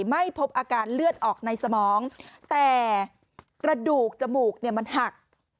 ไม่พบอาการเลือดออกในสมองแต่กระดูกจมูกเนี่ยมันหัก